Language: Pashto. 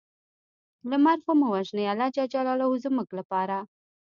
لمر خو مه وژنې الله ج زموږ لپاره